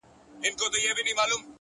هره تېروتنه د پوهېدو فرصت لري